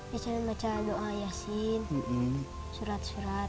biasanya baca doa yasin surat surat